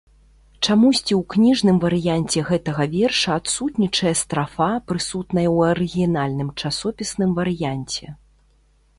Чамусьці ў кніжным варыянце гэтага верша адсутнічае страфа, прысутная ў арыгінальным часопісным варыянце.